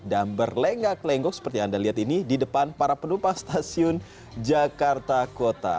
dan berlenggak lenggok seperti yang anda lihat ini di depan para penumpang stasiun jakarta kota